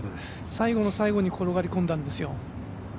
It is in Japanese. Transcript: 最後の最後に転がり込んだんですよ。